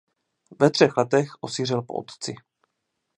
Ve třech letech osiřel po otci.